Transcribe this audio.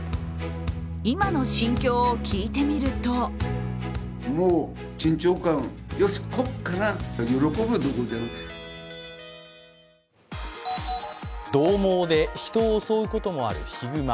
今の心境を聞いてみるとどう猛で人を襲うこともあるヒグマ。